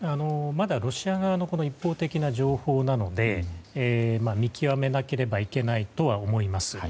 まだロシア側の一方的な情報なので見極めなければいけないとは思います。